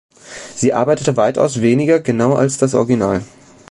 Sie arbeitete weitaus weniger genau als das Original.